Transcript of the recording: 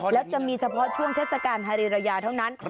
แล้วจะมีเฉพาะช่วงเทศกาลฮารีระยาเท่านั้น